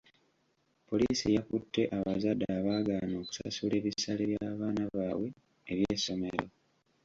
Poliisi yakutte abazadde abaagana okusasula ebisale by'abaana baabwe eby'essomero.